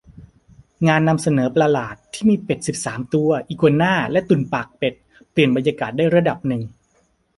งานนำเสนอประหลาดที่มีเป็ดสิบสามตัว อีกัวน่า และตุ่นปากเป็ด เปลี่ยนบรรยากาศได้ระดับหนึ่ง